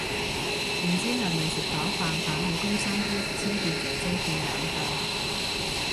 唔知係咪食飽飯，飯氣攻心啲清潔姐姐見眼訓